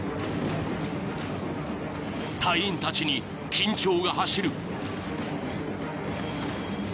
［隊員たちに緊張が走る］